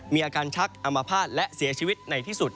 มีอาการชักอัมพาตและเสียชีวิตในที่สุด